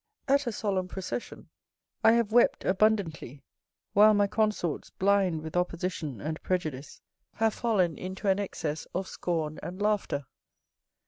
At a solemn procession I have wept abundantly, while my consorts, blind with opposition and prejudice, have fallen into an excess of scorn and laughter.